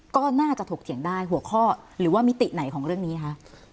ก็น่าจะถกเถียงได้หัวข้อหรือว่ามิติไหนของเรื่องนี้คะ